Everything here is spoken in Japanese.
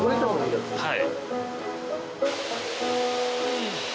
はい。